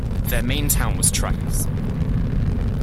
Their main town was Trachis.